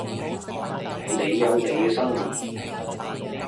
你有你嘅生活